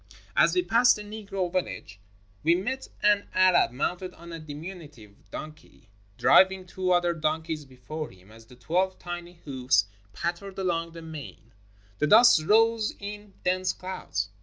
As we passed the Negro village we met an Arab mounted on a diminutive donkey, driving two other donkeys before him. As the twelve tiny hoofs pat tered along the mane, the dust rose in dense clouds.